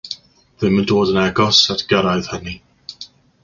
Ddim yn dod yn agos at gyrraedd hynny.